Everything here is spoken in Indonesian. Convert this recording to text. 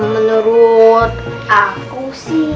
menurut aku sih